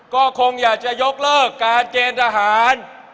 ก็คงอยากจะยกเลิกการเกณฑ์ทหาร